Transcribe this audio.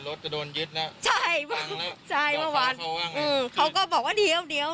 รถจะโดนยึดน่ะใช่เขาก็บอกว่าเดี๋ยวเดี๋ยว